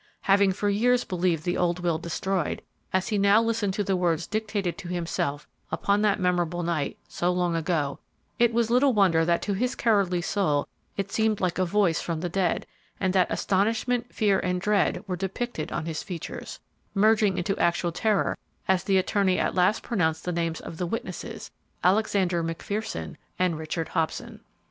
Having for years believed the old will destroyed, as he now listened to the words dictated to himself upon that memorable night, so long ago, it was little wonder that to his cowardly soul it seemed like a voice from the dead, and that astonishment, fear, and dread were depicted on his features, merging into actual terror as the attorney at last pronounced the names of the witnesses, Alexander McPherson and Richard Hobson.